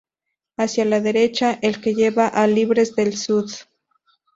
Hacia la derecha, el que lleva a Libres del Sud.